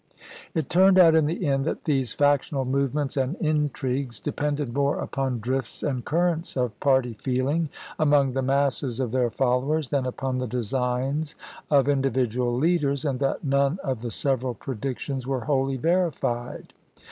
^^^^^^ It turned out in the end that these factional movements and intrigues depended more upon 478 ABEAHAM LINCOLN CHAP. XX. drifts and currents of party feeling among the masses of their followers than upon the designs of individual leaders, and that none of the several predictions were wholly verified.